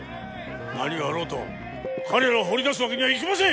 何があろうと彼らを放り出すわけにはいきません！